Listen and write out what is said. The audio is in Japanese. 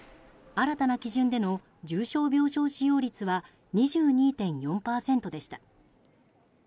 新たな基準での重症病床使用率は２２．４％でした。